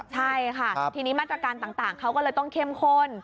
ใช่ค่ะทีนี้มาตรการต่างเขาก็เลยต้องเข้มข้น